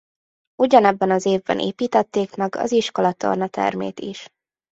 Ugyanebben az évben építették meg az iskola tornatermét is.